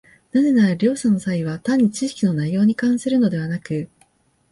なぜなら両者の差異は単に知識の内容に関するのでなく、